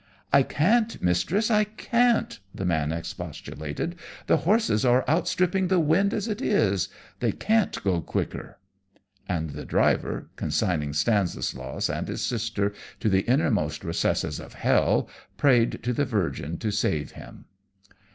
"I can't mistress, I can't!" the man expostulated; "the horses are outstripping the wind as it is. They can't go quicker." And the driver, consigning Stanislaus and his sister to the innermost recesses of hell, prayed to the Virgin to save him.